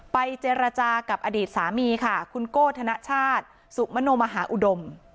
เจรจากับอดีตสามีค่ะคุณโก้ธนชาติสุมโนมหาอุดม